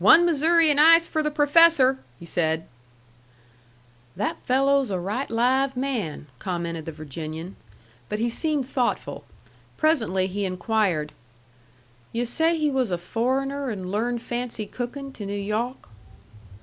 "One Missouri and ice for the professor!" he said. "That fello's a right live man," commented the Virginian. But he seemed thoughtful. Presently he inquired, "Yu' say he was a foreigner, an' learned fancy cookin' to New Yawk?"